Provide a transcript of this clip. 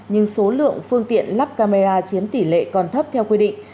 nhưng số lượng phương tiện lắp camera chiếm tỷ lệ còn thấp theo quy định